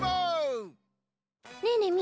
ねえねえ